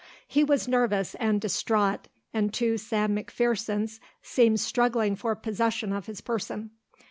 He was nervous and distraught and two Sam McPhersons seemed struggling for possession of his person.